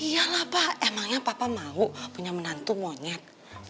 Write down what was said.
iya lah pak emangnya papa mau punya menantu monyet